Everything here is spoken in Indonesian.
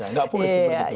tidak boleh dikritik